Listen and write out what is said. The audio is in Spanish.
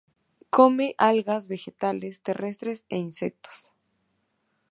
Come algas, vegetales terrestres e insectos.